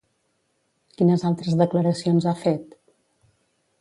Quines altres declaracions ha fet?